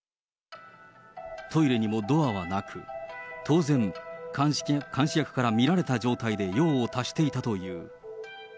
トイレにもドアはなく、当然、監視役から見られた状態で用を足していたという。